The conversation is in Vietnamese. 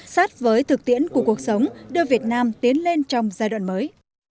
sát với thực tiễn của cuộc sống đưa việt nam tiến lên trong giai đoạn mới